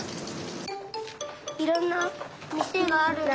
いろんなみせがあるね。